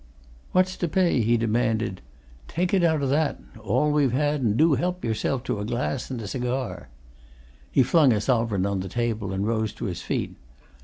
"What's to pay?" he demanded. "Take it out o' that all we've had, and do you help yourself to a glass and a cigar." He flung a sovereign on the table, and rose to his feet.